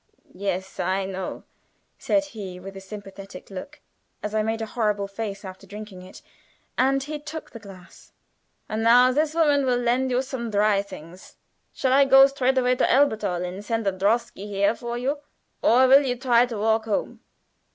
"Yes, I know," said he, with a sympathetic look, as I made a horrible face after drinking it, and he took the glass. "And now this woman will lend you some dry things. Shall I go straight to Elberthal and send a drosky here for you, or will you try to walk home?"